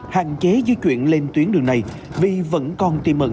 hạn chế di chuyển lên tuyến đường này vì vẫn còn tiềm ẩn